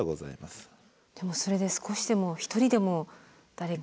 でもそれで少しでも一人でも誰か。